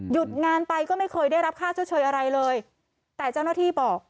หยุดงานไปก็ไม่เคยได้รับค่าชดเชยอะไรเลยแต่เจ้าหน้าที่บอก